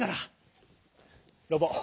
ロボ。